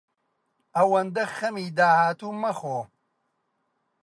ئەوەندە خەمی داهاتوو مەخۆ.